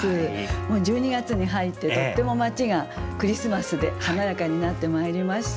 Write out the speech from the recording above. もう１２月に入ってとっても街がクリスマスで華やかになってまいりました。